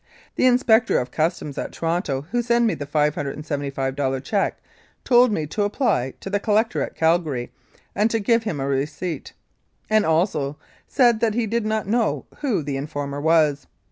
The Inspector of Customs at Toronto who sent me the $575 cheque told me to apply to the collector at Calgary, and to give him a receipt, and also said that he did not know who the informer was.